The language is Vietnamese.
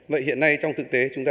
vậy hiện nay trong thực tế chúng ta đã